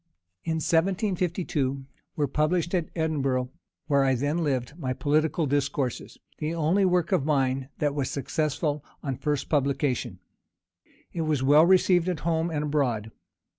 In 1752 were published at Edinburgh, where I then lived, my Political Discourses, the only work of mine that was successful on the first publication. It was well received at home and abroad.